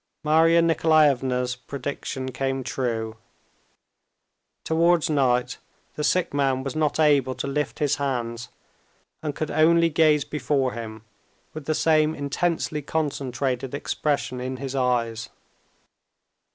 Marya Nikolaevna's prediction came true. Towards night the sick man was not able to lift his hands, and could only gaze before him with the same intensely concentrated expression in his eyes.